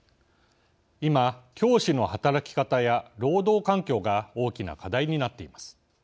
今、教師の働き方や労働環境が大きな課題になっています。